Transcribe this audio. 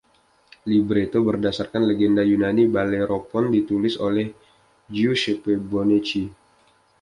Libretto, berdasarkan legenda Yunani Bellerophon, ditulis oleh Giuseppe Bonecchi.